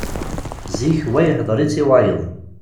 Zik wa ihedder-itt i wayeḍ.